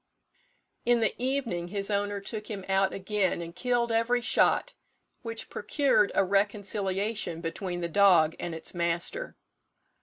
In the evening his owner took him out again and killed every shot, which procured a reconciliation between the dog and its master.